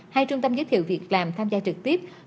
hay trung tâm giới thiệu việc làm tham gia trực tiếp